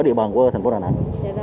địa phần của thành phố đà nẵng